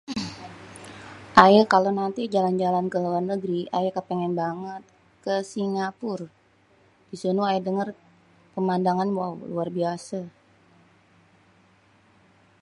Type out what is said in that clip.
Ayé kalo nanti jalan-jalan ke luar negeri, ayé kepengen banget ke Singapur. Di sono ayé denger pemandangan wow luar biase.